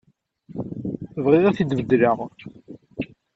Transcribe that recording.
Bɣiɣ ad t-id-beddleɣ.